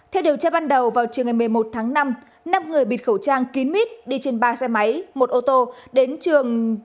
theo điều tra ban đầu vào trường ngày một mươi một tháng năm năm người bịt khẩu trang kín mít đi trên ba xe máy một ô tô đến trường